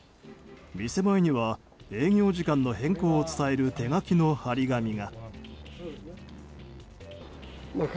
店前には営業時間の変更を伝える手書きの貼り紙が。